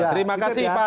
terima kasih pak